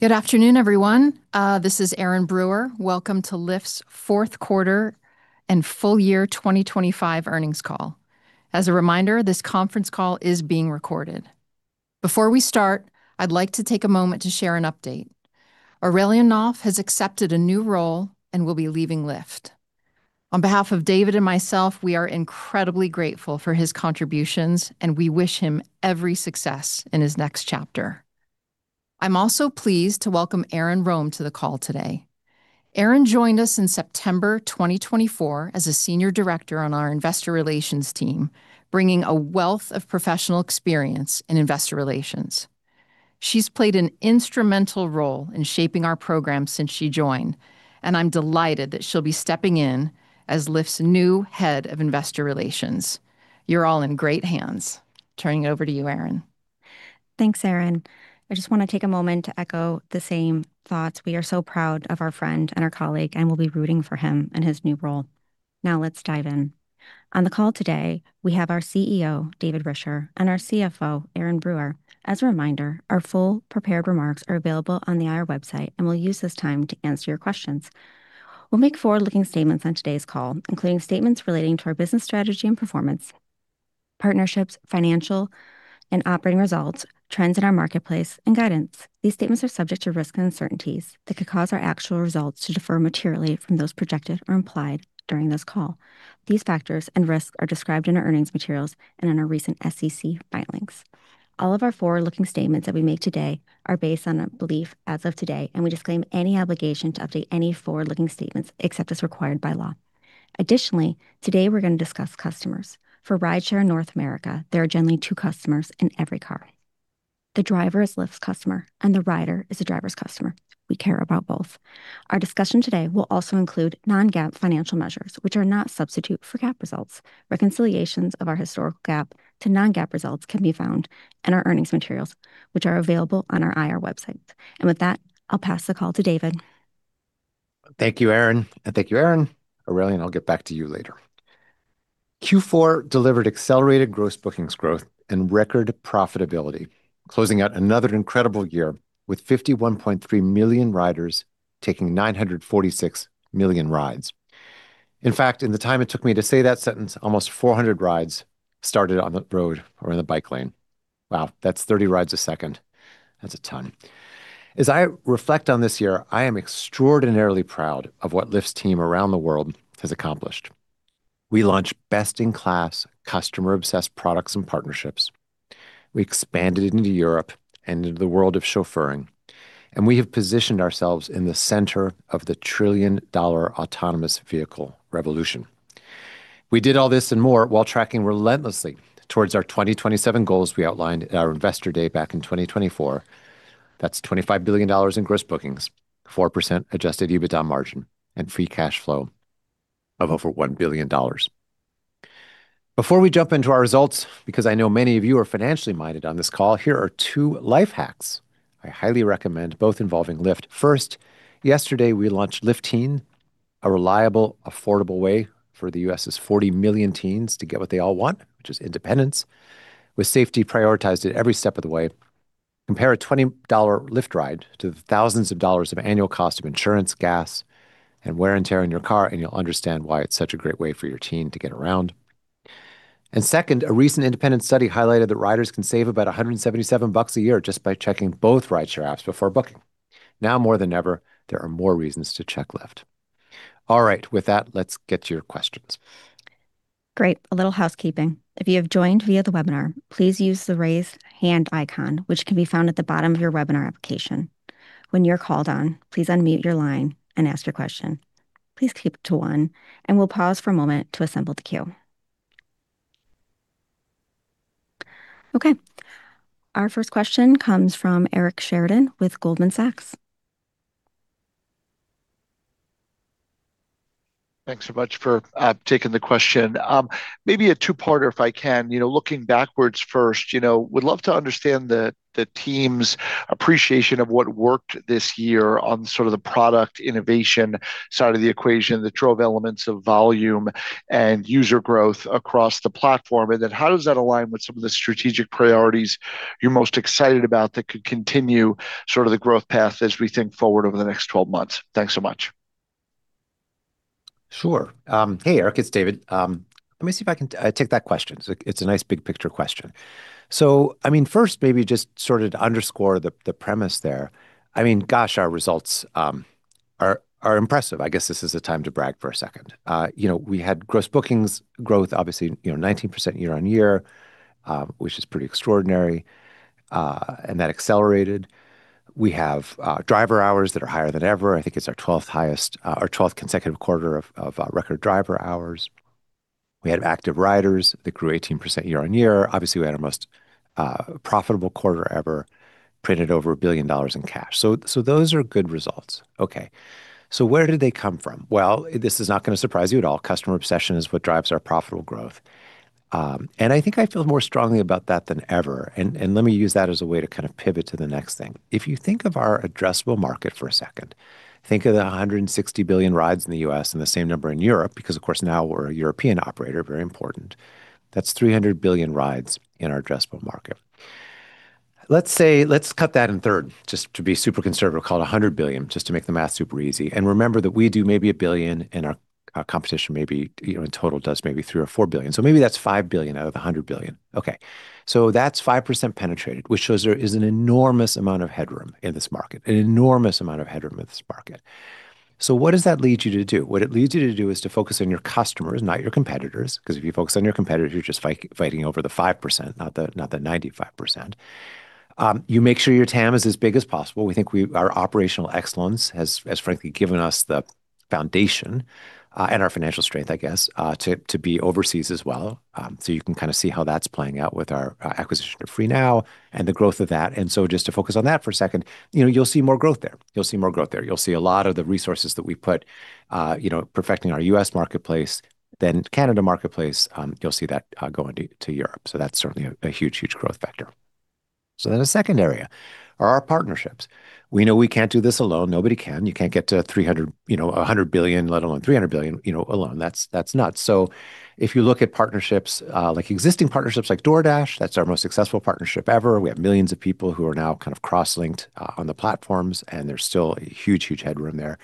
Good afternoon, everyone. This is Erin Brewer. Welcome to Lyft's Fourth Quarter and Full Year 2025 Earnings Call. As a reminder, this conference call is being recorded. Before we start, I'd like to take a moment to share an update. Aurélien Auffret has accepted a new role and will be leaving Lyft. On behalf of David and myself, we are incredibly grateful for his contributions, and we wish him every success in his next chapter. I'm also pleased to welcome Erin Rome to the call today. Erin joined us in September 2024 as a Senior Director on our Investor Relations team, bringing a wealth of professional experience in investor relations. She's played an instrumental role in shaping our program since she joined, and I'm delighted that she'll be stepping in as Lyft's new head of Investor Relations. You're all in great hands. Turning it over to you, Erin. Thanks, Erin. I just want to take a moment to echo the same thoughts. We are so proud of our friend and our colleague, and we'll be rooting for him in his new role. Now, let's dive in. On the call today, we have our CEO, David Risher, and our CFO, Erin Brewer. As a reminder, our full prepared remarks are available on the IR website, and we'll use this time to answer your questions. We'll make forward-looking statements on today's call, including statements relating to our business strategy and performance, partnerships, financial and operating results, trends in our marketplace, and guidance. These statements are subject to risks and uncertainties that could cause our actual results to differ materially from those projected or implied during this call. These factors and risks are described in our earnings materials and in our recent SEC filings. All of our forward-looking statements that we make today are based on a belief as of today, and we disclaim any obligation to update any forward-looking statements except as required by law. Additionally, today we're going to discuss customers. For rideshare North America, there are generally two customers in every car: the driver is Lyft's customer, and the rider is the driver's customer. We care about both. Our discussion today will also include non-GAAP financial measures, which are not a substitute for GAAP results. Reconciliations of our historical GAAP to non-GAAP results can be found in our earnings materials, which are available on our IR website. With that, I'll pass the call to David. Thank you, Erin, and thank you, Erin. Aurélien, I'll get back to you later. Q4 delivered accelerated Gross Bookings growth and record profitability, closing out another incredible year with 51.3 million riders taking 946 million rides. In fact, in the time it took me to say that sentence, almost 400 rides started on the road or in the bike lane. Wow, that's 30 rides a second. That's a ton. As I reflect on this year, I am extraordinarily proud of what Lyft's team around the world has accomplished. We launched best-in-class, customer-obsessed products and partnerships. We expanded into Europe and into the world of chauffeuring, and we have positioned ourselves in the center of the trillion-dollar autonomous vehicle revolution. We did all this and more while tracking relentlessly towards our 2027 goals we outlined at our Investor Day back in 2024. That's $25 billion in Gross Bookings, 4% Adjusted EBITDA margin, and Free Cash Flow of over $1 billion. Before we jump into our results, because I know many of you are financially minded on this call, here are two life hacks I highly recommend, both involving Lyft. First, yesterday we launched Lyft Teen, a reliable, affordable way for the U.S.'s 40 million teens to get what they all want, which is independence, with safety prioritized at every step of the way. Compare a $20 Lyft ride to the thousands of dollars of annual cost of insurance, gas, and wear and tear on your car, and you'll understand why it's such a great way for your teen to get around. And second, a recent independent study highlighted that riders can save about $177 a year just by checking both rideshare apps before booking. Now, more than ever, there are more reasons to check Lyft. All right, with that, let's get to your questions. Great. A little housekeeping. If you have joined via the webinar, please use the Raise Hand icon, which can be found at the bottom of your webinar application. When you're called on, please unmute your line and ask your question. Please keep it to one, and we'll pause for a moment to assemble the queue. Okay. Our first question comes from Eric Sheridan with Goldman Sachs. Thanks so much for taking the question. Maybe a two-parter, if I can. You know, looking backwards first, you know, would love to understand the team's appreciation of what worked this year on sort of the product innovation side of the equation, the drivers of volume and user growth across the platform. And then how does that align with some of the strategic priorities you're most excited about that could continue sort of the growth path as we think forward over the next 12 months? Thanks so much. Sure. Hey, Eric, it's David. Let me see if I can take that question. It's a nice big-picture question. So, I mean, first, maybe just sort of to underscore the premise there, I mean, gosh, our results are impressive. I guess this is a time to brag for a second. You know, we had Gross Bookings growth, obviously, you know, 19% year-over-year, which is pretty extraordinary, and that accelerated. We have driver hours that are higher than ever. I think it's our 12th highest, our 12th consecutive quarter of record driver hours. We had Active Riders that grew 18% year-over-year. Obviously, we had our most profitable quarter ever, printed over $1 billion in cash. So those are good results. Okay, so where did they come from? Well, this is not gonna surprise you at all. Customer obsession is what drives our profitable growth. And I think I feel more strongly about that than ever, and let me use that as a way to kind of pivot to the next thing. If you think of our addressable market for a second, think of the 160 billion rides in the U.S. and the same number in Europe, because, of course, now we're a European operator, very important. That's 300 billion rides in our addressable market. Let's say, let's cut that in third, just to be super conservative, call it a 100 billion, just to make the math super easy. And remember that we do maybe 1 billion, and our competition, maybe, you know, in total, does maybe 3 or 4 billion. So maybe that's 5 billion out of the 100 billion. Okay, so that's 5% penetrated, which shows there is an enormous amount of headroom in this market, an enormous amount of headroom in this market. So what does that lead you to do? What it leads you to do is to focus on your customers, not your competitors, 'cause if you focus on your competitors, you're just fighting over the 5%, not the 95%. You make sure your TAM is as big as possible. We think our operational excellence has frankly given us the foundation, and our financial strength, I guess, to be overseas as well. So you can kind of see how that's playing out with our acquisition of FREENOW and the growth of that. And so just to focus on that for a second, you know, you'll see more growth there. You'll see more growth there. You'll see a lot of the resources that we've put, you know, perfecting our U.S. marketplace, then Canada marketplace, you'll see that, going to, to Europe. So that's certainly a huge, huge growth factor. So then the second area are our partnerships. We know we can't do this alone. Nobody can. You can't get to 300, you know, $100 billion, let alone $300 billion, you know, alone. That's, that's nuts. So if you look at partnerships, like existing partnerships like DoorDash, that's our most successful partnership ever. We have millions of people who are now kind of cross-linked on the platforms, and there's still a huge, huge headroom there.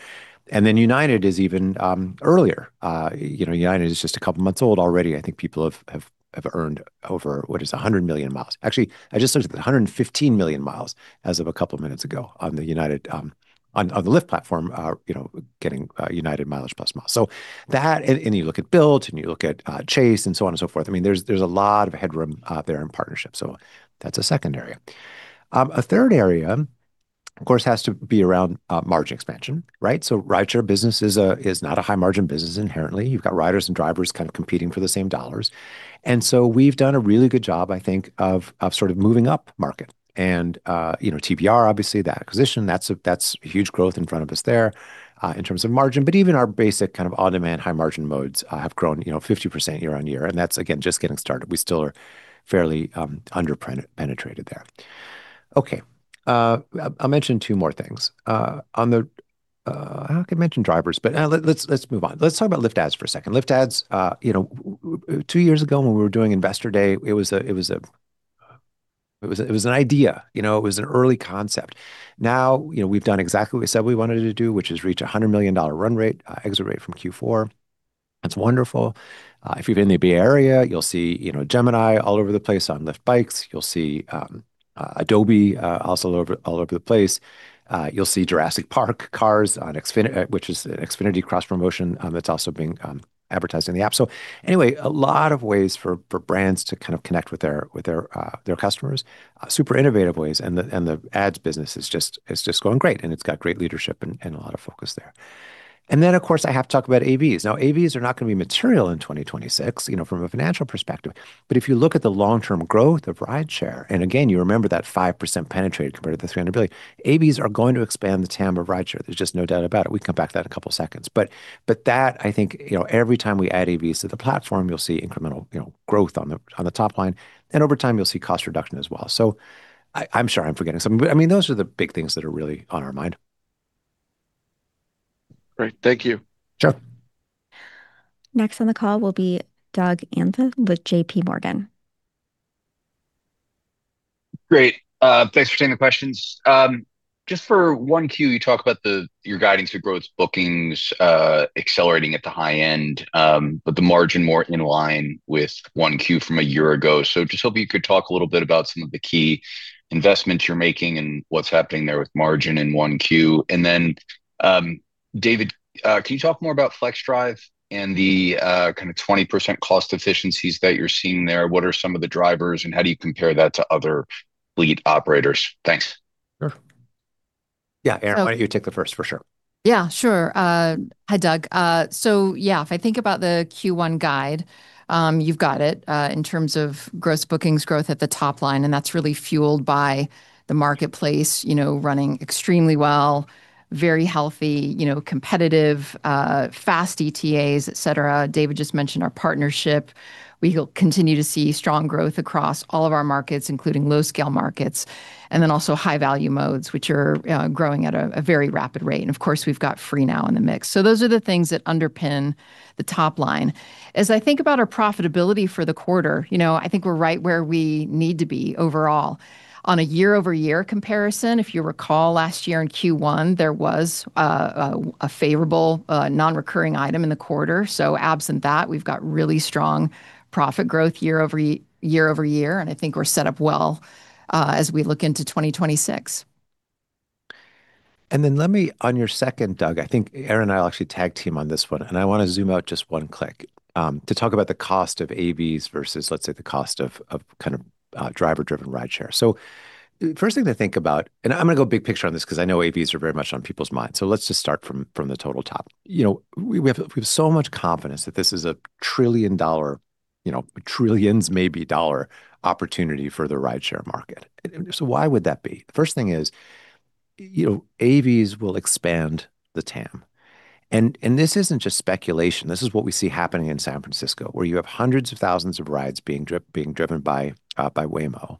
And then United is even, earlier. You know, United is just a couple of months old already. I think people have earned over, what is it? 100 million miles. Actually, I just looked it up, 115 million miles as of a couple of minutes ago on the United, on the Lyft platform, you know, getting United MileagePlus miles. So that, and you look at Bilt, and you look at Chase, and so on and so forth. I mean, there's a lot of headroom out there in partnerships, so that's a second area. A third area, of course, has to be around margin expansion, right? So rideshare business is not a high-margin business inherently. You've got riders and drivers kind of competing for the same dollars. And so we've done a really good job, I think, of sort of moving up market. You know, TBR, obviously, that acquisition, that's a huge growth in front of us there, in terms of margin, but even our basic kind of on-demand, high-margin modes have grown, you know, 50% year-over-year, and that's, again, just getting started. We still are fairly underpenetrated there. Okay, I'll mention two more things. I could mention drivers, but let's move on. Let's talk about Lyft Ads for a second. Lyft Ads, you know, two years ago, when we were doing Investor Day, it was a, it was a, it was a, it was an idea. You know, it was an early concept. Now, you know, we've done exactly what we said we wanted to do, which is reach a $100 million run rate, exit rate from Q4. That's wonderful. If you're in the Bay Area, you'll see, you know, Gemini all over the place on Lyft bikes. You'll see, Adobe, also all over, all over the place. You'll see Jurassic Park cars on Xfinity—which is an Xfinity cross-promotion, that's also being advertised in the app. So anyway, a lot of ways for, for brands to kind of connect with their, with their, their customers, super innovative ways, and the, and the ads business is just—it's just going great, and it's got great leadership and, and a lot of focus there. And then, of course, I have to talk about AVs. Now, AVs are not going to be material in 2026, you know, from a financial perspective, but if you look at the long-term growth of rideshare, and again, you remember that 5% penetrated compared to the $300 billion, AVs are going to expand the TAM of rideshare. There's just no doubt about it. We can come back to that in a couple seconds, but that, I think, you know, every time we add AVs to the platform, you'll see incremental, you know, growth on the, on the top line, and over time, you'll see cost reduction as well. So I, I'm sure I'm forgetting something, but, I mean, those are the big things that are really on our mind. Great. Thank you. Sure. Next on the call will be Doug Anmuth with J.P. Morgan. Great. Thanks for taking the questions. Just for 1Q, you talked about your guidance to Gross Bookings accelerating at the high end, but the margin more in line with 1Q from a year ago. So just hope you could talk a little bit about some of the key investments you're making and what's happening there with margin in 1Q. And then, David, can you talk more about Flexdrive and the kind of 20% cost efficiencies that you're seeing there? What are some of the drivers, and how do you compare that to other lead operators? Thanks. Sure. Yeah, Erin. Oh. Why don't you take the first, for sure? Yeah, sure. Hi, Doug. So yeah, if I think about the Q1 guide, you've got it in terms of Gross Bookings growth at the top line, and that's really fueled by the marketplace, you know, running extremely well, very healthy, you know, competitive, fast ETAs, et cetera. David just mentioned our partnership. We will continue to see strong growth across all of our markets, including low-scale markets, and then also high-value modes, which are growing at a very rapid rate. And of course, we've got FREENOW in the mix. So those are the things that underpin the top line. As I think about our profitability for the quarter, you know, I think we're right where we need to be overall. On a year-over-year comparison, if you recall, last year in Q1, there was a favorable non-recurring item in the quarter. So absent that, we've got really strong profit growth year over year, and I think we're set up well as we look into 2026. And then let me, on your second, Doug, I think Erin and I will actually tag team on this one, and I want to zoom out just one click, to talk about the cost of AVs versus, let's say, the cost of kind of driver-driven rideshare. So the first thing to think about, and I'm gonna go big picture on this, 'cause I know AVs are very much on people's minds. So let's just start from the total top. You know, we, we have, we have so much confidence that this is a trillion-dollar, you know, trillions, maybe, dollar opportunity for the rideshare market. And so why would that be? The first thing is, you know, AVs will expand the TAM, and this isn't just speculation. This is what we see happening in San Francisco, where you have hundreds of thousands of rides being driven by Waymo.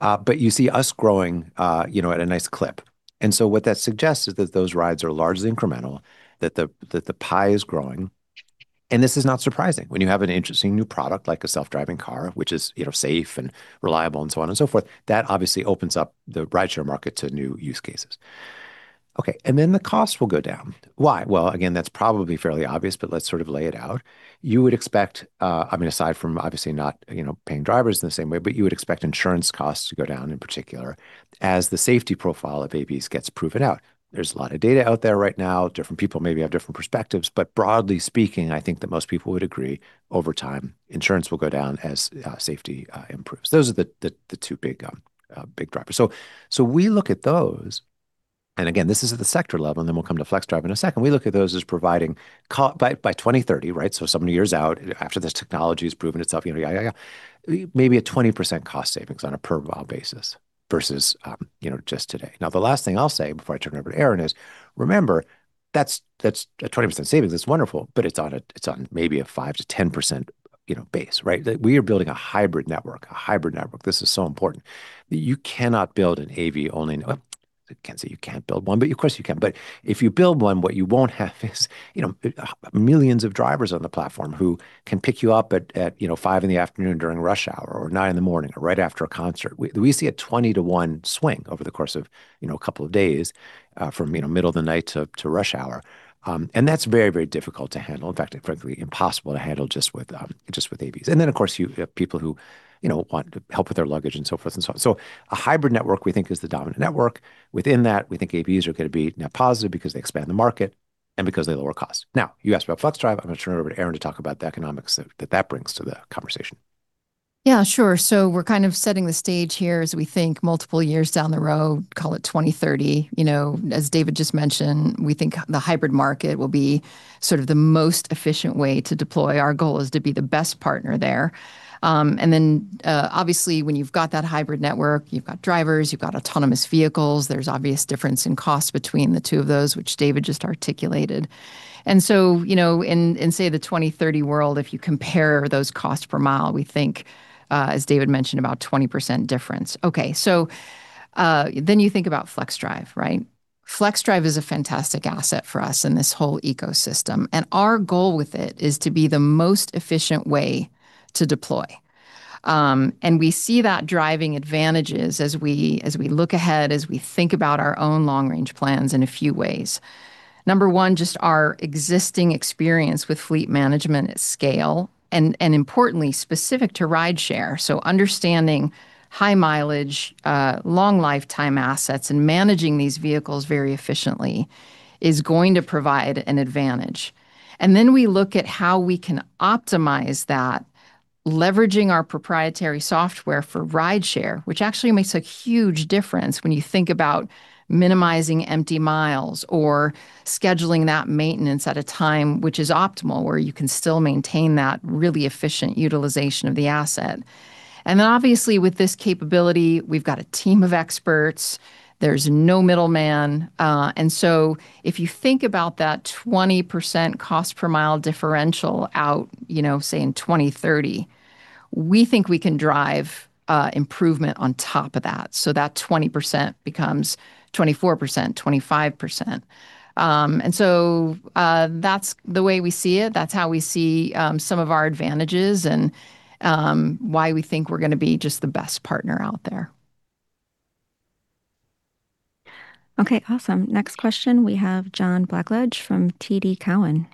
But you see us growing, you know, at a nice clip. And so what that suggests is that those rides are largely incremental, that the pie is growing. And this is not surprising. When you have an interesting new product, like a self-driving car, which is, you know, safe and reliable and so on and so forth, that obviously opens up the rideshare market to new use cases. Okay, and then the cost will go down. Why? Well, again, that's probably fairly obvious, but let's sort of lay it out. You would expect, I mean, aside from obviously not, you know, paying drivers in the same way, but you would expect insurance costs to go down, in particular, as the safety profile of AVs gets proven out. There's a lot of data out there right now. Different people maybe have different perspectives, but broadly speaking, I think that most people would agree, over time, insurance will go down as safety improves. Those are the two big drivers. So we look at those, and again, this is at the sector level, and then we'll come to Flexdrive in a second. We look at those as providing co- by, by 2030, right? So some years out after this technology has proven itself, you know, yeah, yeah, yeah, maybe a 20% cost savings on a per-mile basis versus, you know, just today. Now, the last thing I'll say before I turn it over to Erin is, remember, that's, that's a 20% savings, it's wonderful, but it's on a- it's on maybe a 5%-10%, you know, base, right? That we are building a hybrid network. A hybrid network. This is so important, that you cannot build an AV only. I can't say you cannot build one, but of course you can. But if you build one, what you won't have is, you know, millions of drivers on the platform who can pick you up at, at, you know, 5:00 P.M. during rush hour, or 9:00 A.M., or right after a concert. We see a 20-to-1 swing over the course of, you know, a couple of days, from, you know, middle of the night to rush hour. And that's very, very difficult to handle. In fact, frankly, impossible to handle just with AVs. And then, of course, you have people who, you know, want help with their luggage and so forth and so on. So a hybrid network, we think, is the dominant network. Within that, we think AVs are gonna be net positive because they expand the market and because they lower costs. Now, you asked about Flexdrive. I'm gonna turn it over to Erin to talk about the economics that brings to the conversation. Yeah, sure. So we're kind of setting the stage here as we think multiple years down the road, call it 2030. You know, as David just mentioned, we think the hybrid market will be sort of the most efficient way to deploy. Our goal is to be the best partner there. And then, obviously, when you've got that hybrid network, you've got drivers, you've got autonomous vehicles, there's obvious difference in cost between the two of those, which David just articulated. And so, you know, in say, the 2030 world, if you compare those costs per mile, we think, as David mentioned, about 20% difference. Okay, so, then you think about Flexdrive, right? Flexdrive is a fantastic asset for us in this whole ecosystem, and our goal with it is to be the most efficient way to deploy. And we see that driving advantages as we look ahead, as we think about our own long-range plans in a few ways. Number one, just our existing experience with fleet management at scale and importantly, specific to rideshare. So understanding high mileage, long lifetime assets, and managing these vehicles very efficiently is going to provide an advantage. And then we look at how we can optimize that, leveraging our proprietary software for rideshare, which actually makes a huge difference when you think about minimizing empty miles or scheduling that maintenance at a time which is optimal, where you can still maintain that really efficient utilization of the asset. And then, obviously, with this capability, we've got a team of experts. There's no middleman, and so if you think about that 20% cost per mile differential out, you know, say in 2030, we think we can drive, improvement on top of that. So that 20% becomes 24%, 25%. And so, that's the way we see it. That's how we see, some of our advantages and, why we think we're gonna be just the best partner out there. Okay, awesome. Next question, we have John Blackledge from TD Cowen.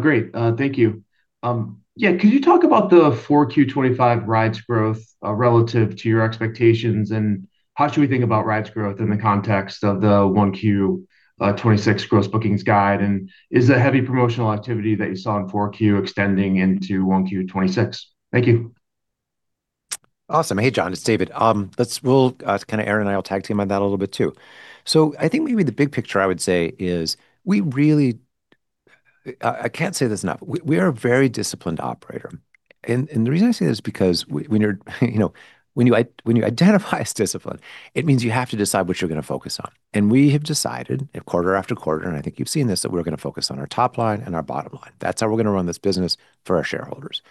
Great. Thank you. Yeah, could you talk about the 4Q 2025 rides growth, relative to your expectations, and how should we think about rides growth in the context of the 1Q 2026 Gross Bookings guide? And is the heavy promotional activity that you saw in 4Q extending into 1Q 2026? Thank you. Awesome. Hey, John, it's David. We'll kind of—Erin and I will tag team on that a little bit, too. So I think maybe the big picture I would say is we really. I, I can't say this enough, we, we are a very disciplined operator, and, and the reason I say this is because when you're, you know, when you identify as disciplined, it means you have to decide what you're gonna focus on. And we have decided, quarter after quarter, and I think you've seen this, that we're gonna focus on our top line and our bottom line. That's how we're gonna run this business for our shareholders.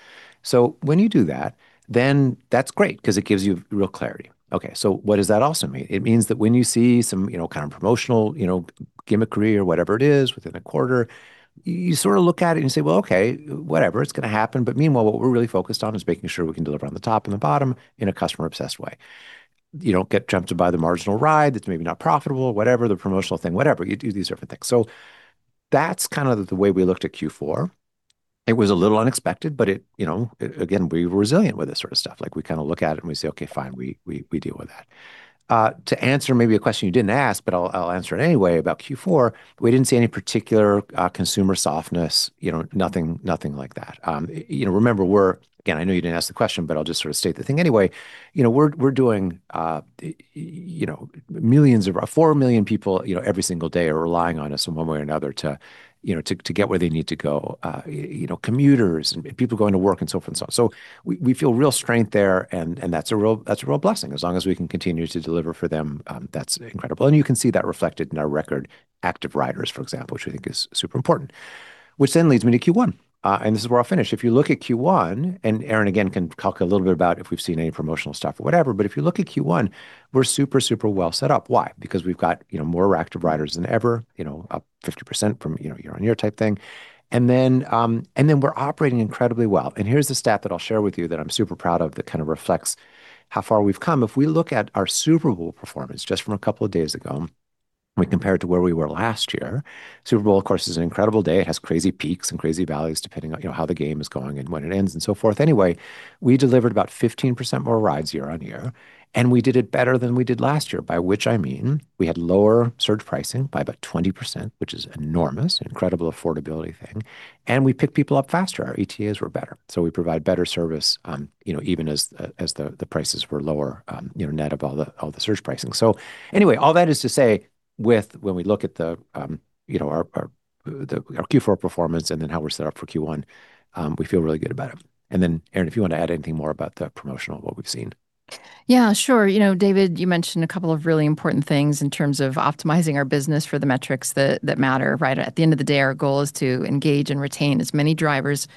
So when you do that, then that's great 'cause it gives you real clarity. Okay, so what does that also mean? It means that when you see some, you know, kind of promotional, you know, gimmickry or whatever it is within a quarter, you sort of look at it and you say, "Well, okay, whatever, it's gonna happen." But meanwhile, what we're really focused on is making sure we can deliver on the top and the bottom in a customer-obsessed way. You don't get tempted to buy the marginal ride that's maybe not profitable, whatever the promotional thing, whatever, you do these different things. So that's kind of the way we looked at Q4. It was a little unexpected, but it, you know, again, we're resilient with this sort of stuff. Like, we kind of look at it, and we say, "Okay, fine, we deal with that." To answer maybe a question you didn't ask, but I'll answer it anyway, about Q4, we didn't see any particular consumer softness, you know, nothing like that. You know, remember, we're again, I know you didn't ask the question, but I'll just sort of state the thing anyway, you know, we're doing, you know, 4 million people, you know, every single day are relying on us in one way or another to get where they need to go, you know, commuters and people going to work and so forth and so on. So we feel real strength there, and that's a real blessing. As long as we can continue to deliver for them, that's incredible. And you can see that reflected in our record Active Riders, for example, which we think is super important. Which then leads me to Q1. And this is where I'll finish. If you look at Q1, and Erin, again, can talk a little bit about if we've seen any promotional stuff or whatever, but if you look at Q1, we're super, super well set up. Why? Because we've got, you know, more Active Riders than ever, you know, up 50% from, you know, year-on-year type thing. And then, and then we're operating incredibly well. And here's the stat that I'll share with you that I'm super proud of, that kind of reflects how far we've come. If we look at our Super Bowl performance, just from a couple of days ago, we compare it to where we were last year. Super Bowl, of course, is an incredible day, it has crazy peaks and crazy valleys, depending on, you know, how the game is going and when it ends and so forth. Anyway, we delivered about 15% more rides year-on-year, and we did it better than we did last year, by which I mean we had lower surge pricing by about 20%, which is enormous, an incredible affordability thing, and we picked people up faster. Our ETAs were better, so we provided better service, you know, even as the prices were lower, you know, net of all the surge pricing. So anyway, all that is to say, with, when we look at, you know, our Q4 performance and then how we're set up for Q1, we feel really good about it. And then, Erin, if you want to add anything more about the promotional, what we've seen. Yeah, sure. You know, David, you mentioned a couple of really important things in terms of optimizing our business for the metrics that matter, right? At the end of the day, our goal is to engage and retain as many drivers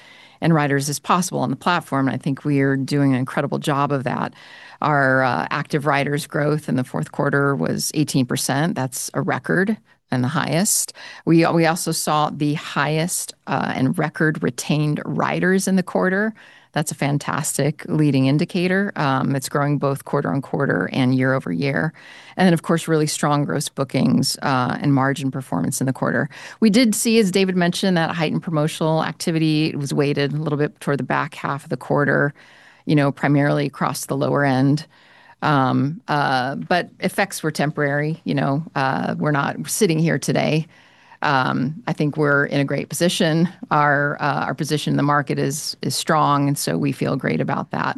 and riders as possible on the platform, and I think we are doing an incredible job of that. Our Active Riders growth in the fourth quarter was 18%. That's a record and the highest. We also saw the highest and record retained riders in the quarter. That's a fantastic leading indicator. It's growing both quarter-over-quarter and year-over-year. And then, of course, really strong Gross Bookings and margin performance in the quarter. We did see, as David mentioned, that heightened promotional activity was weighted a little bit toward the back half of the quarter, you know, primarily across the lower end. But effects were temporary, you know, we're not sitting here today. I think we're in a great position. Our position in the market is strong, and so we feel great about that.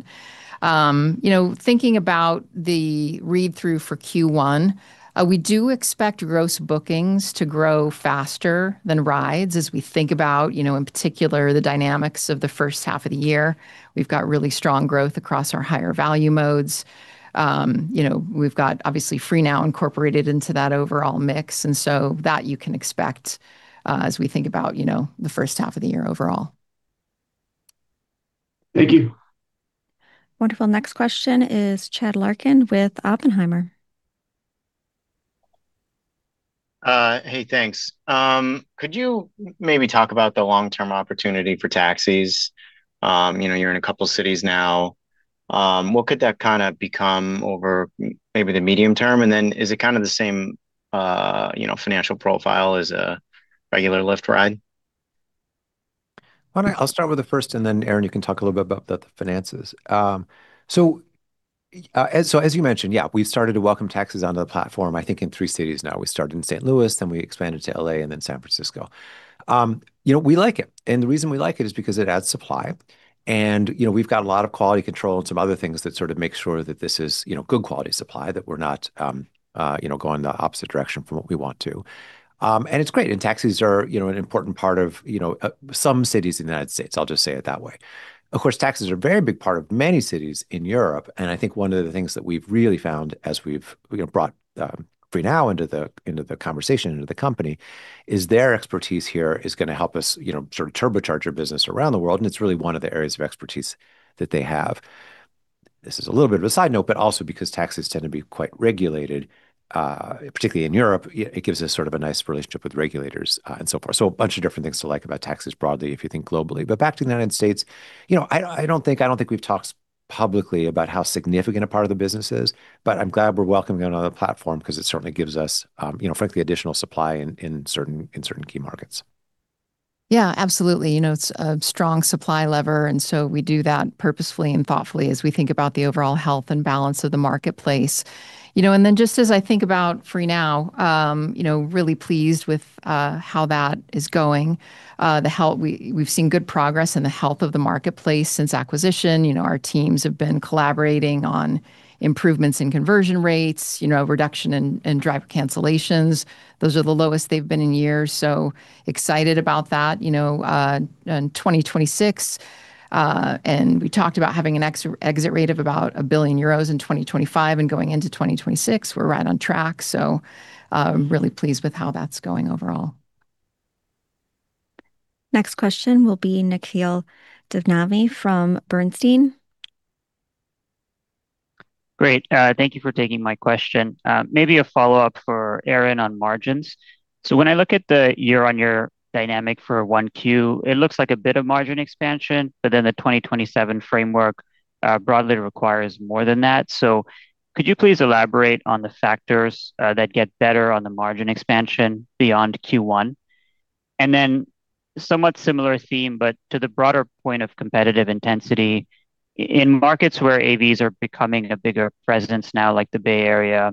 You know, thinking about the read-through for Q1, we do expect Gross Bookings to grow faster than rides as we think about, you know, in particular, the dynamics of the first half of the year. We've got really strong growth across our higher value modes. You know, we've got obviously FreeNow incorporated into that overall mix, and so that you can expect, as we think about, you know, the first half of the year overall. Thank you. Wonderful. Next question is Jed Kelly with Oppenheimer. Hey, thanks. Could you maybe talk about the long-term opportunity for taxis? You know, you're in a couple cities now. What could that kinda become over maybe the medium term? And then is it kind of the same, you know, financial profile as a regular Lyft ride? Why don't I. I'll start with the first, and then, Erin, you can talk a little bit about the finances. So, as you mentioned, yeah, we've started to welcome taxis onto the platform, I think in three cities now. We started in St. Louis, then we expanded to L.A., and then San Francisco. You know, we like it, and the reason we like it is because it adds supply. And, you know, we've got a lot of quality control and some other things that sort of make sure that this is, you know, good quality supply, that we're not, you know, going the opposite direction from what we want to. And it's great, and taxis are, you know, an important part of, you know, some cities in the United States. I'll just say it that way. Of course, taxis are a very big part of many cities in Europe, and I think one of the things that we've really found as we've, you know, brought FREENOW into the, into the conversation, into the company, is their expertise here is gonna help us, you know, sort of turbocharge our business around the world, and it's really one of the areas of expertise that they have. This is a little bit of a side note, but also because taxis tend to be quite regulated, particularly in Europe, it gives us sort of a nice relationship with regulators, and so forth. So a bunch of different things to like about taxis broadly, if you think globally. Back to the United States, you know, I don't think we've talked publicly about how significant a part of the business is, but I'm glad we're welcoming on the platform because it certainly gives us, you know, frankly, additional supply in certain key markets. Yeah, absolutely. You know, it's a strong supply lever, and so we do that purposefully and thoughtfully as we think about the overall health and balance of the marketplace. You know, and then just as I think about FREENOW, you know, really pleased with how that is going. The health—we've seen good progress in the health of the marketplace since acquisition. You know, our teams have been collaborating on improvements in conversion rates, you know, reduction in driver cancellations. Those are the lowest they've been in years, so excited about that, you know, in 2026. And we talked about having an exit rate of about 1 billion euros in 2025 and going into 2026. We're right on track, so really pleased with how that's going overall. Next question will be Nikhil Devnani from Bernstein. Great. Thank you for taking my question. Maybe a follow-up for Erin on margins. So when I look at the year-on-year dynamic for Q1, it looks like a bit of margin expansion, but then the 2027 framework broadly requires more than that. So could you please elaborate on the factors that get better on the margin expansion beyond Q1? And then somewhat similar theme, but to the broader point of competitive intensity, in markets where AVs are becoming a bigger presence now, like the Bay Area,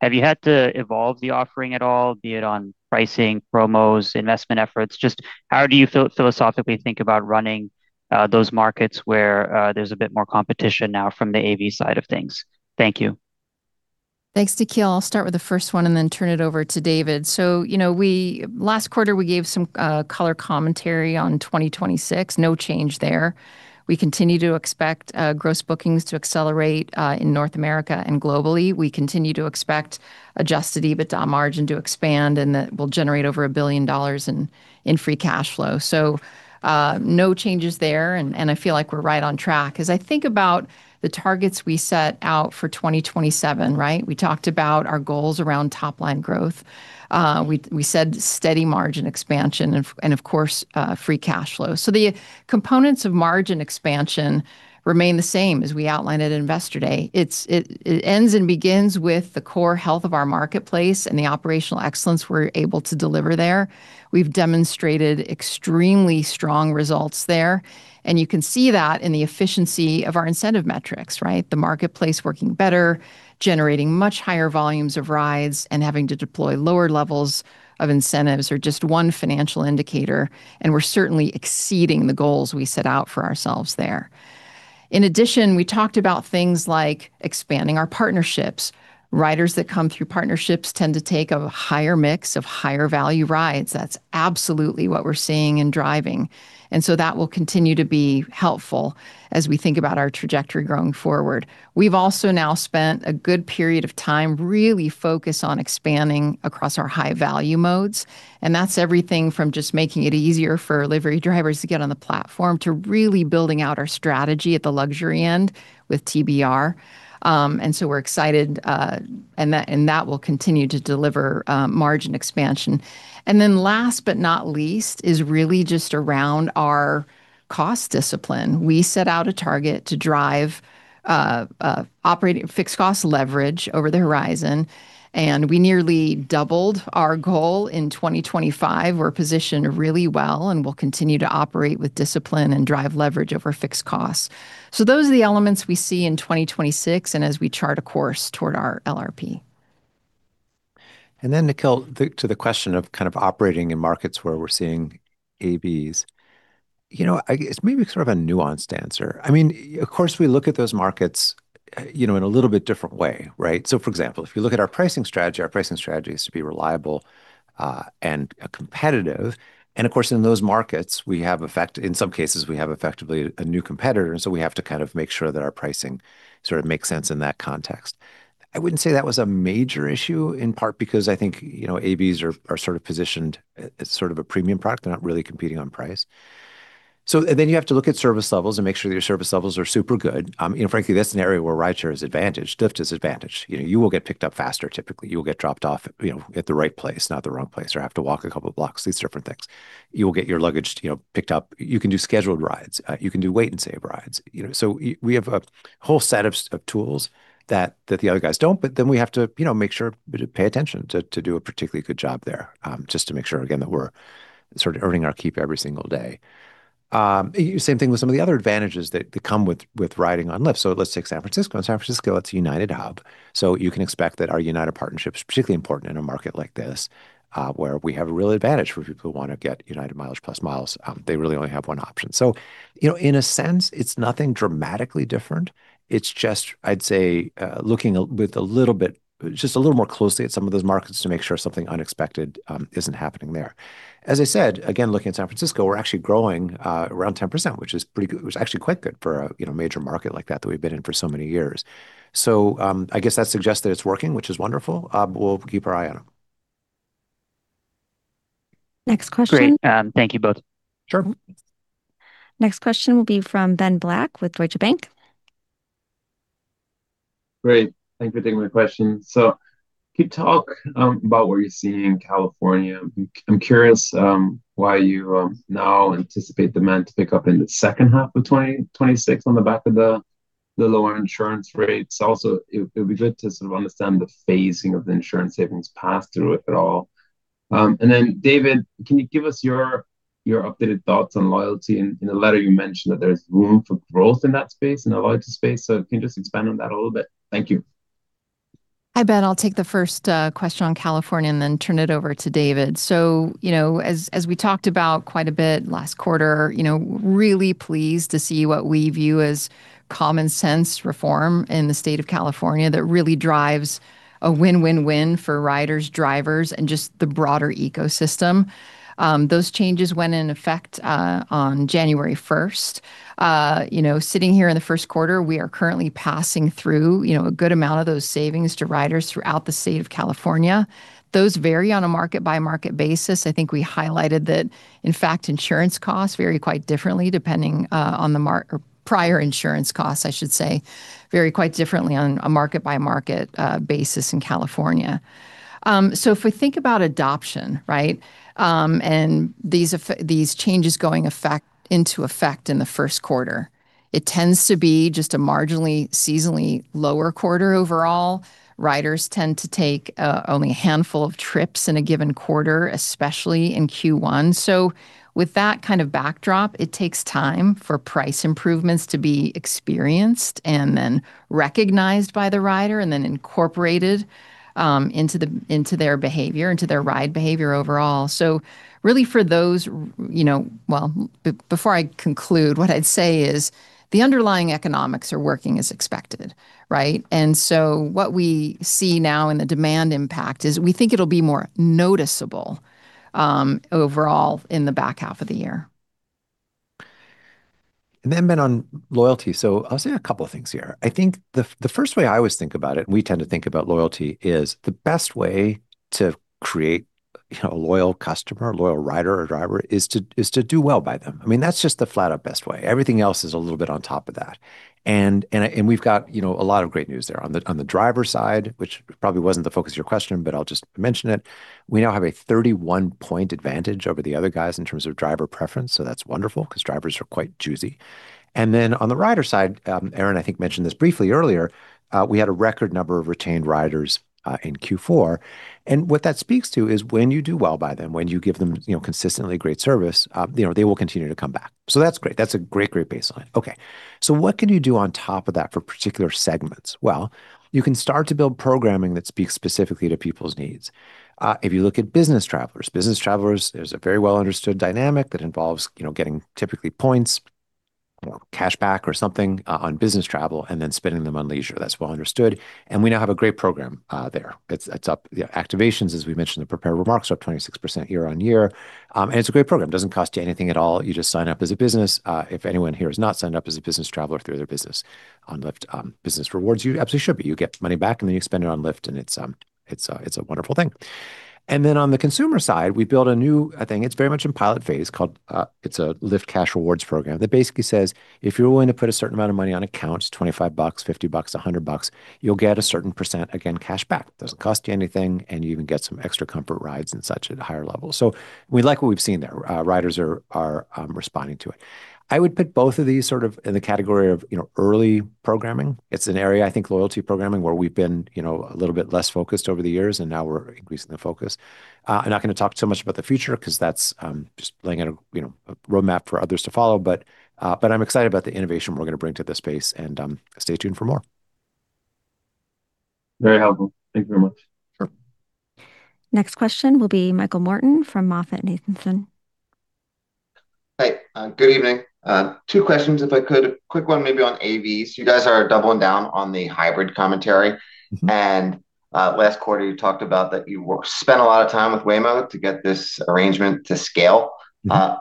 have you had to evolve the offering at all, be it on pricing, promos, investment efforts? Just how do you philosophically think about running those markets where there's a bit more competition now from the AV side of things? Thank you. Thanks, Nikhil. I'll start with the first one and then turn it over to David. So, you know, last quarter, we gave some color commentary on 2026. No change there. We continue to expect Gross Bookings to accelerate in North America and globally. We continue to expect Adjusted EBITDA margin to expand, and that we'll generate over $1 billion in Free Cash Flow. So, no changes there, and I feel like we're right on track. As I think about the targets we set out for 2027, right? We talked about our goals around top-line growth. We said steady margin expansion and, of course, Free Cash Flow. So the components of margin expansion remain the same as we outlined at Investor Day. It ends and begins with the core health of our marketplace and the operational excellence we're able to deliver there. We've demonstrated extremely strong results there, and you can see that in the efficiency of our incentive metrics, right? The marketplace working better, generating much higher volumes of rides, and having to deploy lower levels of incentives are just one financial indicator, and we're certainly exceeding the goals we set out for ourselves there. In addition, we talked about things like expanding our partnerships. Riders that come through partnerships tend to take a higher mix of higher-value rides. That's absolutely what we're seeing and driving, and so that will continue to be helpful as we think about our trajectory going forward. We've also now spent a good period of time, really focused on expanding across our high-value modes, and that's everything from just making it easier for livery drivers to get on the platform, to really building out our strategy at the luxury end with TBR. And so we're excited, and that, and that will continue to deliver margin expansion. And then last but not least, is really just around our cost discipline. We set out a target to drive operating fixed cost leverage over the horizon, and we nearly doubled our goal in 2025. We're positioned really well and will continue to operate with discipline and drive leverage over fixed costs. So those are the elements we see in 2026, and as we chart a course toward our LRP. And then, Nikhil, to the question of kind of operating in markets where we're seeing AVs. You know, it's maybe sort of a nuanced answer. I mean, of course, we look at those markets, you know, in a little bit different way, right? So, for example, if you look at our pricing strategy, our pricing strategy is to be reliable, and competitive, and of course, in those markets, we have effectively a new competitor, and so we have to kind of make sure that our pricing sort of makes sense in that context. I wouldn't say that was a major issue, in part because I think, you know, AVs are sort of positioned as sort of a premium product. They're not really competing on price. Then you have to look at service levels and make sure your service levels are super good. You know, frankly, that's an area where rideshare is advantaged, Lyft is advantaged. You know, you will get picked up faster, typically. You will get dropped off, you know, at the right place, not the wrong place, or have to walk a couple of blocks, these different things. You will get your luggage, you know, picked up. You can do scheduled rides. You can do Wait & Save rides, you know. So we have a whole set of tools that the other guys don't, but then we have to, you know, make sure to pay attention to do a particularly good job there, just to make sure, again, that we're sort of earning our keep every single day. Same thing with some of the other advantages that come with riding on Lyft. So let's take San Francisco. In San Francisco, it's a United hub, so you can expect that our United partnership is particularly important in a market like this, where we have a real advantage for people who want to get United MileagePlus miles, they really only have one option. So, you know, in a sense, it's nothing dramatically different. It's just, I'd say, looking with a little bit, just a little more closely at some of those markets to make sure something unexpected isn't happening there. As I said, again, looking at San Francisco, we're actually growing around 10%, which is pretty good, which is actually quite good for a, you know, major market like that, that we've been in for so many years. So, I guess that suggests that it's working, which is wonderful. We'll keep our eye on them. Next question? Great. Thank you both. Sure. Next question will be from Ben Black with Deutsche Bank. Great. Thank you for taking my question. So can you talk about what you're seeing in California? I'm curious why you now anticipate demand to pick up in the second half of 2026 on the back of the lower insurance rates. Also, it'd be good to sort of understand the phasing of the insurance savings pass-through at all. And then, David, can you give us your updated thoughts on loyalty? In the letter, you mentioned that there's room for growth in that space, in the loyalty space. So can you just expand on that a little bit? Thank you. Hi, Ben. I'll take the first question on California and then turn it over to David. So, you know, as we talked about quite a bit last quarter, you know, really pleased to see what we view as common sense reform in the state of California that really drives a win-win-win for riders, drivers, and just the broader ecosystem. Those changes went in effect on January 1st. You know, sitting here in the first quarter, we are currently passing through, you know, a good amount of those savings to riders throughout the state of California. Those vary on a market-by-market basis. I think we highlighted that, in fact, insurance costs vary quite differently depending on the market or prior insurance costs, I should say, vary quite differently on a market-by-market basis in California. So if we think about adoption, right, and these changes going into effect in the first quarter, it tends to be just a marginally, seasonally lower quarter overall. Riders tend to take only a handful of trips in a given quarter, especially in Q1. So with that kind of backdrop, it takes time for price improvements to be experienced and then recognized by the rider, and then incorporated into the, into their behavior, into their ride behavior overall. So really for those, you know, well, before I conclude, what I'd say is the underlying economics are working as expected, right? And so what we see now in the demand impact is we think it'll be more noticeable overall in the back half of the year. Then Ben, on loyalty. I'll say a couple of things here. I think the first way I always think about it, we tend to think about loyalty, is the best way to create, you know, a loyal customer, a loyal rider or driver, is to do well by them. I mean, that's just the flat out best way. Everything else is a little bit on top of that. And we've got, you know, a lot of great news there. On the driver side, which probably wasn't the focus of your question, but I'll just mention it, we now have a 31-point advantage over the other guys in terms of driver preference, so that's wonderful 'cause drivers are quite choosy. And then on the rider side, Erin, I think, mentioned this briefly earlier, we had a record number of retained riders in Q4. And what that speaks to is when you do well by them, when you give them, you know, consistently great service, you know, they will continue to come back. So that's great. That's a great, great baseline. Okay, so what can you do on top of that for particular segments? Well, you can start to build programming that speaks specifically to people's needs. If you look at business travelers, business travelers, there's a very well-understood dynamic that involves, you know, getting typically points or cashback or something on business travel, and then spending them on leisure. That's well understood, and we now have a great program there. It's up. The activations, as we mentioned in the prepared remarks, are up 26% year-on-year. And it's a great program. It doesn't cost you anything at all. You just sign up as a business. If anyone here has not signed up as a business traveler through their business on Lyft, Business Rewards, you absolutely should, but you get money back, and then you spend it on Lyft, and it's, it's a, it's a wonderful thing. And then on the consumer side, we built a new, I think it's very much in pilot phase, called, it's a Lyft Cash Rewards program that basically says, if you're willing to put a certain amount of money on accounts, $25, $50, $100, you'll get a certain percent, again, cashback. Doesn't cost you anything, and you even get some Extra Comfort rides and such at a higher level. So we like what we've seen there. Riders are responding to it. I would put both of these sort of in the category of, you know, early programming. It's an area, I think, loyalty programming, where we've been, you know, a little bit less focused over the years, and now we're increasing the focus. I'm not gonna talk so much about the future because that's just laying out a, you know, a roadmap for others to follow. But I'm excited about the innovation we're gonna bring to this space, and stay tuned for more. Very helpful. Thank you very much. Sure. Next question will be Michael Morton from MoffettNathanson. Hi, good evening. Two questions, if I could. A quick one maybe on AVs. You guys are doubling down on the hybrid commentary and, last quarter, you talked about that you spent a lot of time with Waymo to get this arrangement to scale.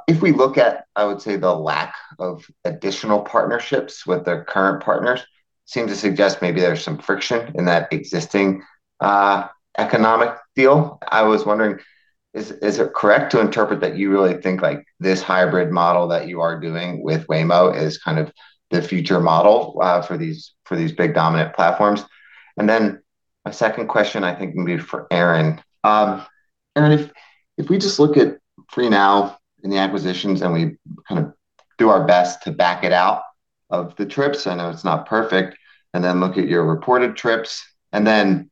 If we look at, I would say, the lack of additional partnerships with their current partners, seem to suggest maybe there's some friction in that existing, economic deal. I was wondering, is it correct to interpret that you really think like this hybrid model that you are doing with Waymo is kind of the future model, for these, for these big, dominant platforms? And then a second question, I think, maybe for Erin. And then if we just look at FREENOW in the acquisitions, and we kind of do our best to back it out of the trips, I know it's not perfect, and then look at your reported trips, and then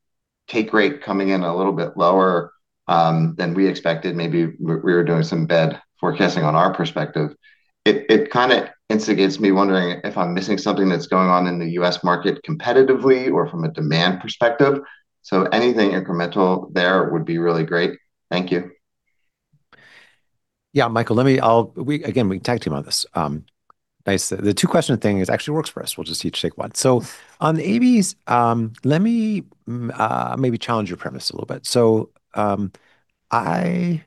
take rate coming in a little bit lower than we expected, maybe we were doing some bad forecasting on our perspective, it kind of instigates me wondering if I'm missing something that's going on in the U.S. market competitively or from a demand perspective. So anything incremental there would be really great. Thank you. Yeah, Michael, let me again, we can tag team on this. Nice. The two-question thing is actually works for us. We'll just each take one. So on the AVs, let me maybe challenge your premise a little bit. So, I,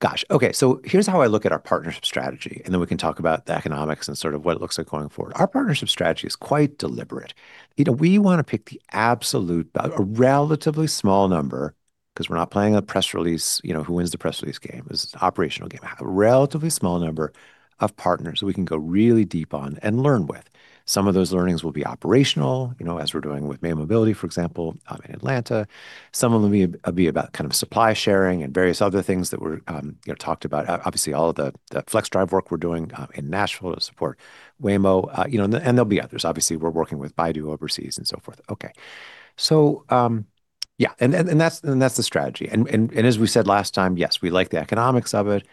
Gosh! Okay, so here's how I look at our partnership strategy, and then we can talk about the economics and sort of what it looks like going forward. Our partnership strategy is quite deliberate. You know, we want to pick the absolute, but a relatively small number, because we're not playing a press release, you know, who wins the press release game? It's an operational game. A relatively small number of partners so we can go really deep on and learn with. Some of those learnings will be operational, you know, as we're doing with May Mobility, for example, in Atlanta. Some of them will be about kind of supply sharing and various other things that we're, you know, talked about. Obviously, all of the Flexdrive work we're doing in Nashville to support Waymo, you know, and there'll be others. Obviously, we're working with Baidu overseas and so forth. Okay. So, yeah, and then that's the strategy. And as we said last time, yes, we like the economics of it,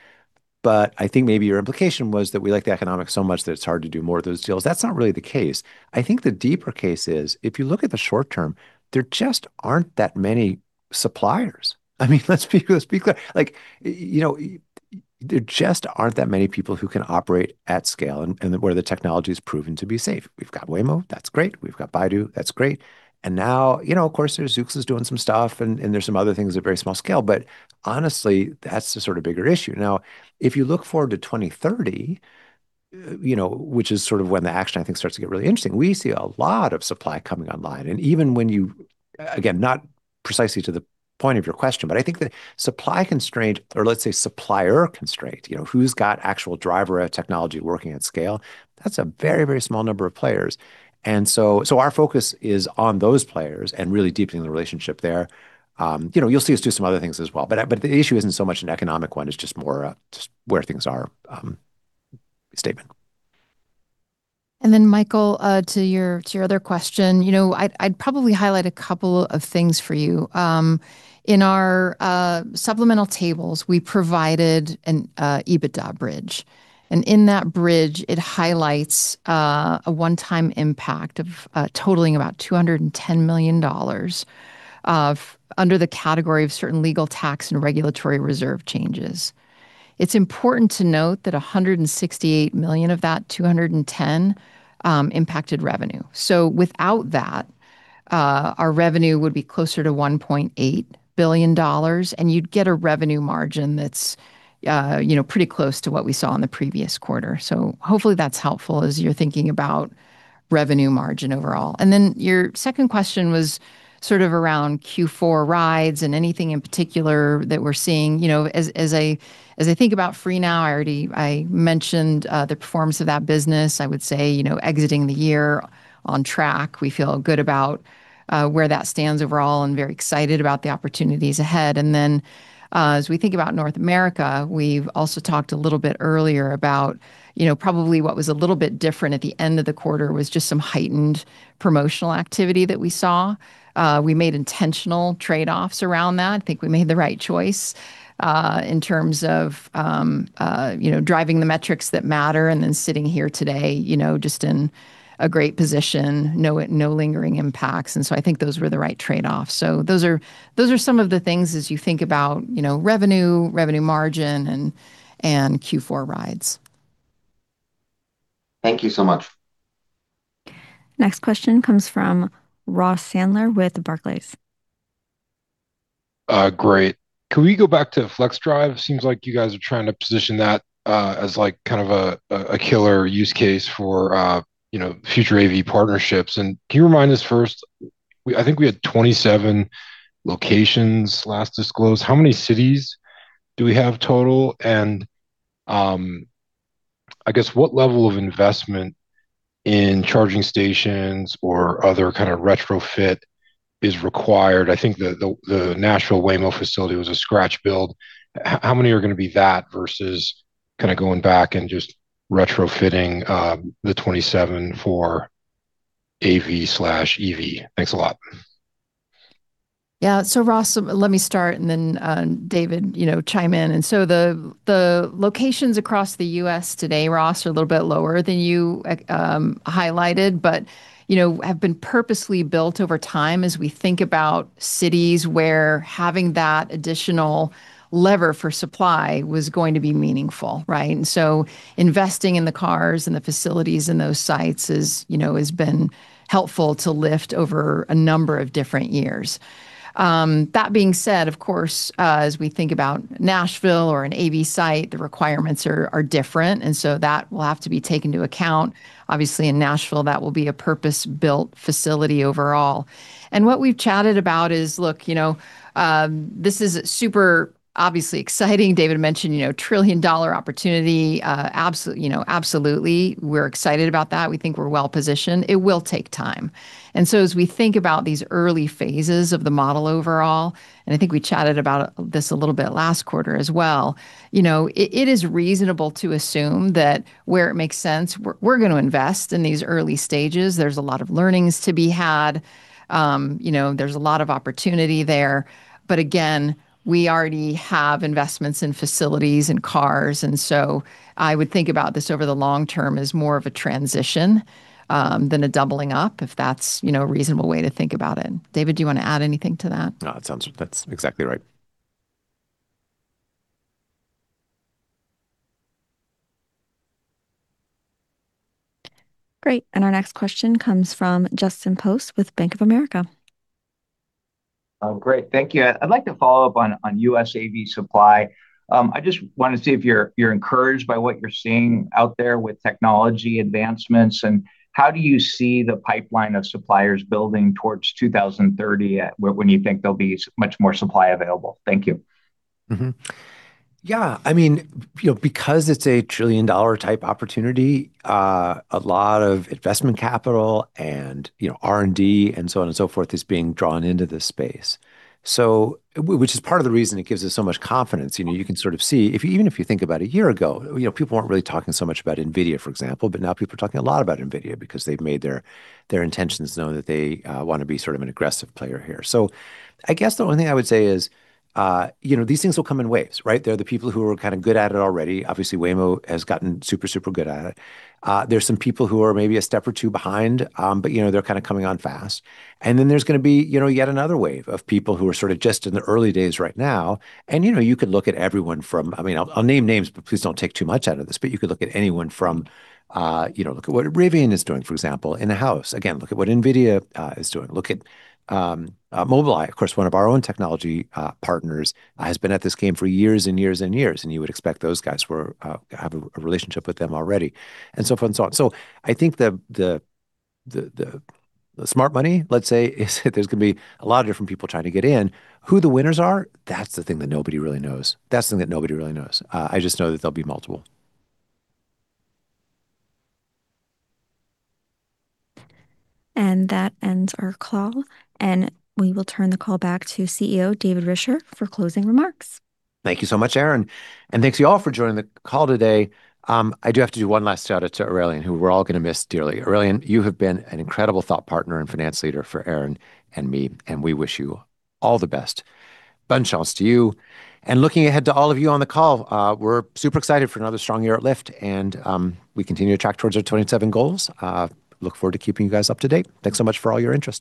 but I think maybe your implication was that we like the economics so much that it's hard to do more of those deals. That's not really the case. I think the deeper case is, if you look at the short term, there just aren't that many suppliers. I mean, let's be clear. Like, you know, there just aren't that many people who can operate at scale and, and where the technology is proven to be safe. We've got Waymo, that's great. We've got Baidu, that's great. And now, you know, of course, there's Zoox is doing some stuff, and, and there's some other things at very small scale, but honestly, that's the sort of bigger issue. Now, if you look forward to 2030, you know, which is sort of when the action, I think, starts to get really interesting, we see a lot of supply coming online. And even when you. Again, not precisely to the point of your question, but I think the supply constraint, or let's say supplier constraint, you know, who's got actual driverless technology working at scale, that's a very, very small number of players. And so, our focus is on those players and really deepening the relationship there. You know, you'll see us do some other things as well, but the issue isn't so much an economic one, it's just more, just where things are, statement. And then Michael, to your, to your other question, you know, I'd, I'd probably highlight a couple of things for you. In our supplemental tables, we provided an EBITDA bridge, and in that bridge, it highlights a one-time impact of totaling about $210 million under the category of certain legal tax and regulatory reserve changes. It's important to note that $168 million of that 210 impacted revenue. So without that, our revenue would be closer to $1.8 billion, and you'd get a revenue margin that's, you know, pretty close to what we saw in the previous quarter. So hopefully that's helpful as you're thinking about revenue margin overall. And then your second question was sort of around Q4 rides and anything in particular that we're seeing. You know, as I think about FREENOW, I already mentioned the performance of that business. I would say, you know, exiting the year on track, we feel good about where that stands overall and very excited about the opportunities ahead. And then, as we think about North America, we've also talked a little bit earlier about, you know, probably what was a little bit different at the end of the quarter was just some heightened promotional activity that we saw. We made intentional trade-offs around that. I think we made the right choice in terms of you know, driving the metrics that matter and then sitting here today, you know, just in a great position, no lingering impacts. And so I think those were the right trade-offs. Those are, those are some of the things as you think about, you know, revenue, revenue margin, and, and Q4 rides. Thank you so much. Next question comes from Ross Sandler with Barclays. Great. Could we go back to Flexdrive? Seems like you guys are trying to position that as, like, kind of a killer use case for you know, future AV partnerships. And can you remind us first. I think we had 27 locations last disclosed. How many cities do we have total? And I guess, what level of investment in charging stations or other kind of retrofit is required? I think the Nashville Waymo facility was a scratch build. How many are gonna be that versus kind of going back and just retrofitting the 27 for AV/EV? Thanks a lot. Yeah. So Ross, let me start, and then, David, you know, chime in. And so the locations across the U.S. today, Ross, are a little bit lower than you highlighted, but you know, have been purposely built over time as we think about cities where having that additional lever for supply was going to be meaningful, right? And so investing in the cars and the facilities in those sites is, you know, has been helpful to Lyft over a number of different years. That being said, of course, as we think about Nashville or an AV site, the requirements are different, and so that will have to be taken into account. Obviously, in Nashville, that will be a purpose-built facility overall. And what we've chatted about is, look, you know, this is super, obviously exciting. David mentioned, you know, trillion-dollar opportunity. Absolutely, you know, absolutely, we're excited about that. We think we're well-positioned. It will take time. And so as we think about these early phases of the model overall, and I think we chatted about this a little bit last quarter as well, you know, it is reasonable to assume that where it makes sense, we're gonna invest in these early stages. There's a lot of learnings to be had. You know, there's a lot of opportunity there. But again, we already have investments in facilities and cars, and so I would think about this over the long term as more of a transition than a doubling up, if that's, you know, a reasonable way to think about it. David, do you want to add anything to that? No, it sounds. That's exactly right. Great. And our next question comes from Justin Post with Bank of America. Oh, great. Thank you. I'd like to follow up on U.S. AV supply. I just want to see if you're encouraged by what you're seeing out there with technology advancements, and how do you see the pipeline of suppliers building towards 2030, when you think there'll be much more supply available? Thank you. Yeah, I mean, you know, because it's a $1 trillion type opportunity, a lot of investment capital and, you know, R&D and so on and so forth, is being drawn into this space. So which is part of the reason it gives us so much confidence. You know, you can sort of see, if you—even if you think about a year ago, you know, people weren't really talking so much about NVIDIA, for example, but now people are talking a lot about NVIDIA because they've made their, their intentions known that they want to be sort of an aggressive player here. So I guess the only thing I would say is, you know, these things will come in waves, right? They're the people who are kind of good at it already. Obviously, Waymo has gotten super, super good at it. There's some people who are maybe a step or two behind, but, you know, they're kind of coming on fast. And then there's gonna be, you know, yet another wave of people who are sort of just in the early days right now. And, you know, you could look at everyone from. I mean, I'll name names, but please don't take too much out of this. But you could look at anyone from, you know, look at what Rivian is doing, for example, in-house. Again, look at what NVIDIA is doing. Look at Mobileye, of course, one of our own technology partners has been at this game for years and years and years, and you would expect those guys who have a relationship with them already, and so forth and so on. So I think the smart money, let's say, is there's gonna be a lot of different people trying to get in. Who the winners are, that's the thing that nobody really knows. That's the thing that nobody really knows. I just know that there'll be multiple. That ends our call, and we will turn the call back to CEO, David Risher, for closing remarks. Thank you so much, Erin, and thank you all for joining the call today. I do have to do one last shout-out to Aurélien, who we're all gonna miss dearly. Aurélien, you have been an incredible thought partner and finance leader for Erin and me, and we wish you all the best. Best of luck to you. Looking ahead to all of you on the call, we're super excited for another strong year at Lyft, and we continue to track towards our 2027 goals. Look forward to keeping you guys up to date. Thanks so much for all your interest.